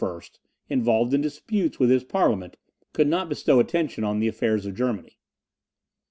involved in disputes with his Parliament, could not bestow attention on the affairs of Germany.